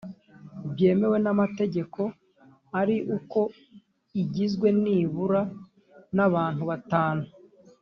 byemewe n’amategeko ari uko igizwe niburan’abantu batanu